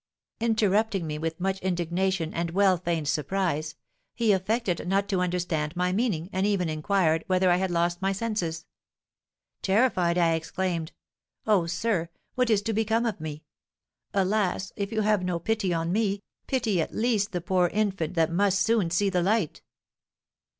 "Interrupting me with much indignation and well feigned surprise, he affected not to understand my meaning, and even inquired whether I had not lost my senses. Terrified, I exclaimed, 'Oh, sir, what is to become of me? Alas, if you have no pity on me, pity at least the poor infant that must soon see the light!'